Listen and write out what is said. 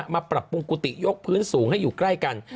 ปรับปรุงกุฏิยกพื้นสูงให้อยู่ใกล้กัน